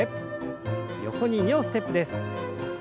横に２歩ステップです。